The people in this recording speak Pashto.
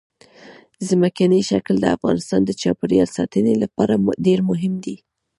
ځمکنی شکل د افغانستان د چاپیریال ساتنې لپاره ډېر مهم دي.